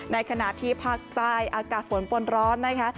ในขณะที่ภาคใต้อากาศฝนปนร้อนนะคะ